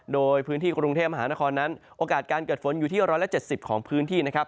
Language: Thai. โดยพื้นที่กรุงเทพมหานครนั้นโอกาสการเกิดฝนอยู่ที่๑๗๐ของพื้นที่นะครับ